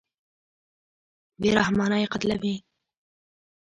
بېرحمانه یې قتلوي.